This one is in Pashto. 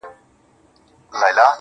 دده مخ د نمکينو اوبو ډنډ سي_